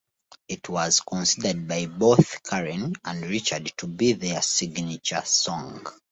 It was considered by both Karen and Richard to be their signature song.